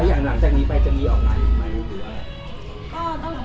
แล้วอย่างหลังจากนี้ไปจะมีออกงานอีกไหมหรือว่า